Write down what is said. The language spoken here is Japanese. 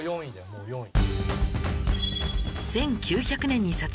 もう４位。